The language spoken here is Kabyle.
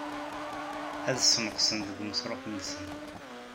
Ad ssneqsen deg umeṣruf-nsen.